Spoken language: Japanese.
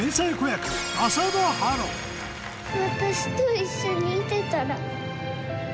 私と一緒にいてたら。